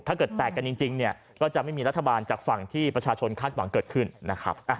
ถ้าเกิดแตกกันจริงเนี่ยก็จะไม่มีรัฐบาลจากฝั่งที่ประชาชนคาดหวังเกิดขึ้นนะครับ